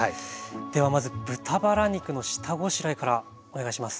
ではまず豚バラ肉の下ごしらえからお願いします。